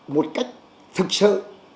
một cách thực sự